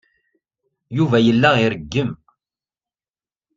Yuba yella ireggem.